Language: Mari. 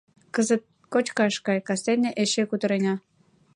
Кызыт кочкаш кай, кастене эше кутырена.